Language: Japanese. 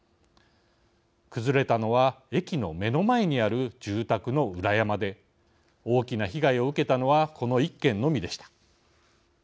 崩れたのは駅の目の前にある住宅の裏山で大きな被害を受けたのはこの１軒のみでした。